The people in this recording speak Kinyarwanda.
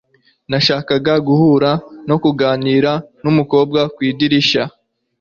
nashakaga guhura no kuganira numukobwa kumadirishya